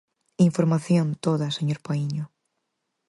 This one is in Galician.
Información, toda, señor Paíño.